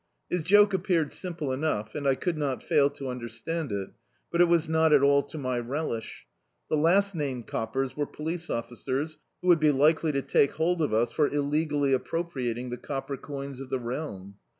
His jdte appeared simple enough, and I could not fail to understand it, but it was not at all to my relish. The last named coppers were police officers, who would be likely to take hold of us for illegally appropriating the copper coins of the realm.